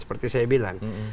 seperti saya bilang